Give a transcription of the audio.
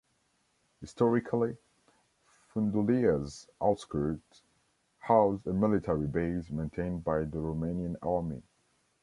Historically, Fundulea's outskirts housed a military base maintained by the Romanian Army.